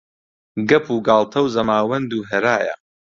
گەپ و گاڵتە و زەماوەند و هەرایە